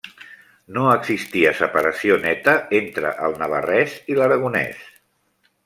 No existia separació neta entre el navarrès i l'aragonès.